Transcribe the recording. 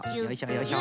よいしょ。